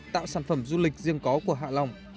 tạo sản phẩm du lịch riêng có của hạ long